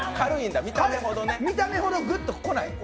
見た目ほどグッとこない。